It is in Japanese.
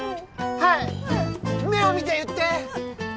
はい目を見て言ってな！